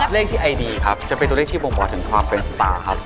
เลขที่ไอดีครับจะเป็นตัวเลขที่บ่งบอกถึงความเป็นสตาร์ครับ